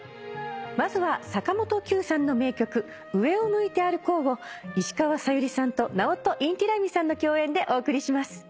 まずは坂本九さんの名曲『上を向いて歩こう』を石川さゆりさんとナオト・インティライミさんの共演でお送りします。